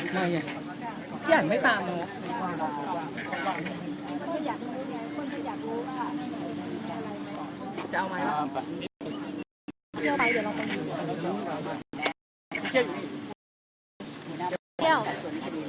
ไหนเนี่ยเยี่ยมไม่ตามแล้ว